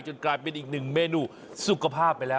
กลายเป็นอีกหนึ่งเมนูสุขภาพไปแล้ว